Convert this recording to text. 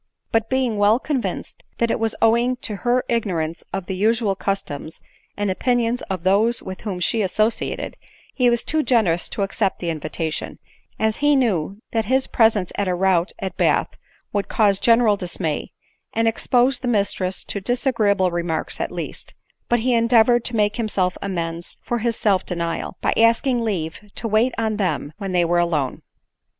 But, being well convinced that it was owing to her ignorance of the usual customs and opinions of those with whom she associated, he was too generous to accept the invitation, as he knew that his presence at a rout at Bath would cause general dismay, and expose the mistress to disagreeable remarks at least ; but he endeavored to make himself amends for his self denial, by asking leave to wait on them when they were alone.